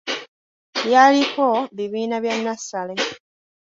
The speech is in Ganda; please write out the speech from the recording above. Lyaliko bibiina bya nnassale.